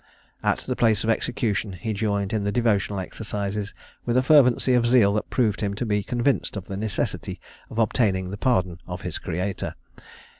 At the place of execution he joined in the devotional exercises with a fervency of zeal that proved him to be convinced of the necessity of obtaining the pardon of his Creator.